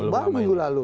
baru minggu lalu